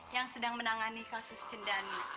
yang sedang menangani kasus cendani